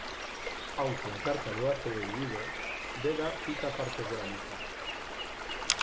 Aunque la carta no ha sobrevivido, Beda cita partes de la misma.